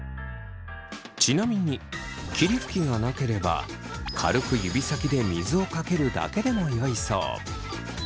ちなみに霧吹きがなければ軽く指先で水をかけるだけでもよいそう。